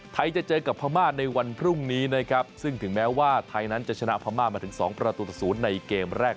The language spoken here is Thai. จะเจอกับพม่าในวันพรุ่งนี้นะครับซึ่งถึงแม้ว่าไทยนั้นจะชนะพม่ามาถึง๒ประตูต่อ๐ในเกมแรก